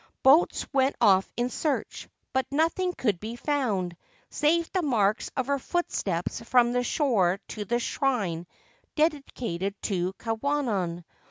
Boats went off in search ; but nothing could be found, save the marks of her footsteps from the shore to the shrine dedicated to Kwannon.